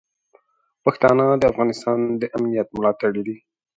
پښتانه د افغانستان د امنیت ملاتړي دي.